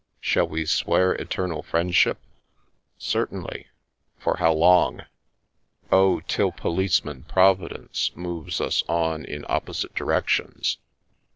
"Shall we swear eternal friendship ?"" Certainly — how long for ?" "Oh, till Policeman Providence moves us on in op posite directions.